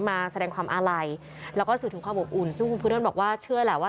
มาแสดงความอาลัยแล้วก็สื่อถึงความอบอุ่นซึ่งคุณพุทธนบอกว่าเชื่อแหละว่า